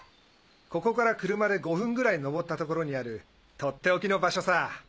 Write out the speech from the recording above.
ここから車で５分ぐらい登った所にあるとっておきの場所さ！